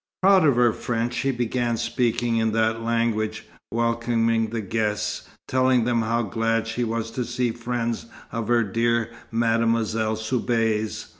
Proud of her French, she began talking in that language, welcoming the guests, telling them how glad she was to see friends of her dear Mademoiselle Soubise.